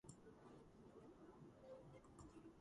მდებარეობს ლაბუანის სამხრეთ-აღმოსავლეთ კუთხეში.